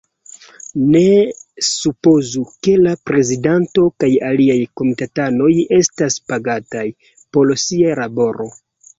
Ne supozu, ke la prezidanto kaj aliaj komitatanoj estas pagataj por sia laboro!